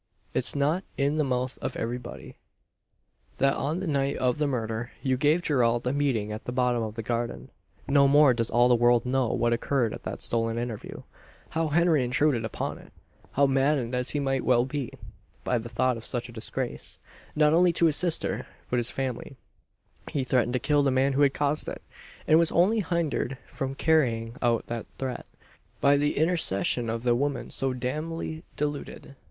It's not in the mouth of everybody: that on the night of the murder, you gave Gerald a meeting at the bottom of the garden. No more does all the world know what occurred at that stolen interview. How Henry intruded upon it; how, maddened, as he might well be, by the thought of such a disgrace not only to his sister, but his family he threatened to kill the man who had caused it; and was only hindered from carrying out that threat, by the intercession of the woman so damnably deluded!